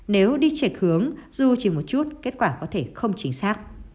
nếu đi chạch hướng dù chỉ một chút kết quả có thể không chính xác